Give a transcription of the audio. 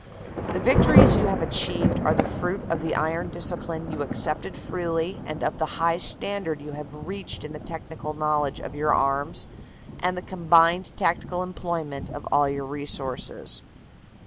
The victories you have achieved are the fruit of the iron 288 CANADA S HUNDRED DAYS discipline you accepted freely and of the high standard you have reached in the technical knowledge of your arms and the combined tactical employment of all your resources.